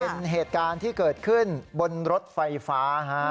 เป็นเหตุการณ์ที่เกิดขึ้นบนรถไฟฟ้าฮะ